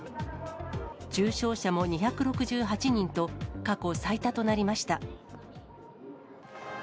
重症者も２６８人と、過去最多となりました。